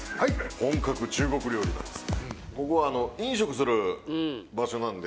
本格中国料理なんです